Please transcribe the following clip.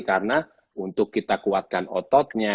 karena untuk kita kuatkan ototnya